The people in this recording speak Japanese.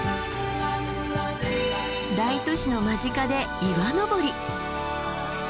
大都市の間近で岩登り。